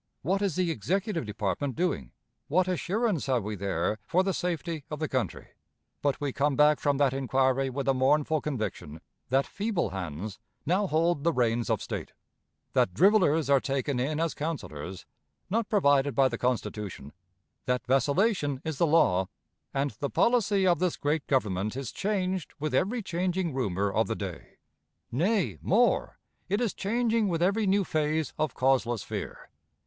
What is the Executive department doing? What assurance have we there for the safety of the country? But we come back from that inquiry with a mournful conviction that feeble hands now hold the reins of state; that drivelers are taken in as counselors, not provided by the Constitution; that vacillation is the law; and the policy of this great Government is changed with every changing rumor of the day; nay, more, it is changing with every new phase of causeless fear.